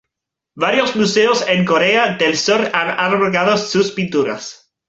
Varios museos en Corea del sur han albergado sus pinturas.